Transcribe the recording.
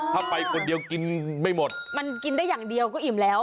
ถ้าไปคนเดียวกินไม่หมดมันกินได้อย่างเดียวก็อิ่มแล้ว